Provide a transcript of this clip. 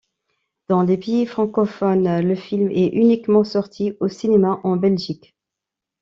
Dans les pays francophones, le film est uniquement sorti au cinéma en Belgique.